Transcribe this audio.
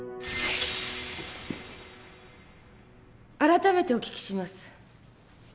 改めてお聞きします。